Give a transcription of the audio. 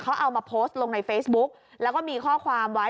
เขาเอามาโพสต์ลงในเฟซบุ๊กแล้วก็มีข้อความไว้